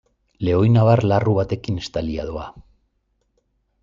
Lehoinabar larru batekin estalia doa.